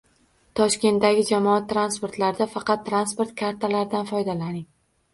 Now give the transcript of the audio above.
Toshkentdagi jamoat transportlarida faqat transport kartalaridan foydalaniladi